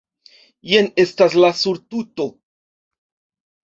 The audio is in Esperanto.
jen estas la surtuto!